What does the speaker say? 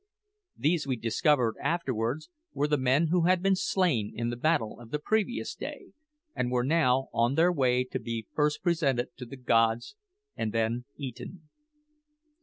These, we discovered afterwards, were the men who had been slain in the battle of the previous day, and were now on their way to be first presented to the gods and then eaten.